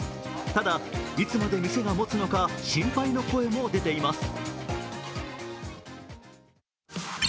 ただ、いつまで店がもつのか心配の声も出ています。